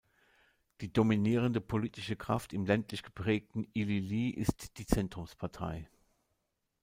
Die dominierende politische Kraft im ländlich geprägten Yli-Ii ist die Zentrumspartei.